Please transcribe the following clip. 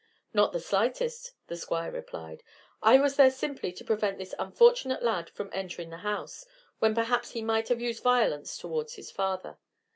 "Not the slightest," the Squire replied. "I was there simply to prevent this unfortunate lad from entering the house, when perhaps he might have used violence towards his father.